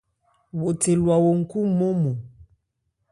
Wo the lwa wo nkhú nmɔ́nnmɔn.